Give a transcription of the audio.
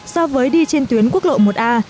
so với đi trên tuyến quốc lộ một a